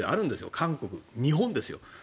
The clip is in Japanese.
韓国、日本ですよ。